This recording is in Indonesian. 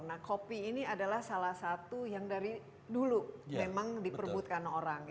nah kopi ini adalah salah satu yang dari dulu memang diperbutkan orang